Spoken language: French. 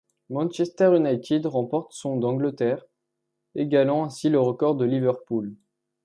Manchester United remporte son d'Angleterre, égalant ainsi le record de Liverpool.